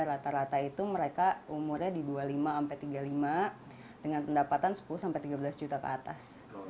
rata rata itu mereka umurnya di dua puluh lima sampai tiga puluh lima dengan pendapatan sepuluh tiga belas juta ke atas